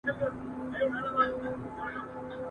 له خوب سره په مینه کي انسان په باور نه دی !.